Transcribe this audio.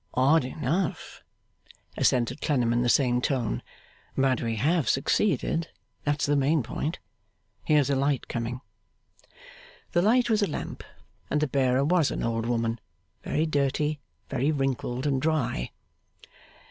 'Odd enough,' assented Clennam in the same tone, 'but we have succeeded; that's the main point. Here's a light coming!' The light was a lamp, and the bearer was an old woman: very dirty, very wrinkled and dry.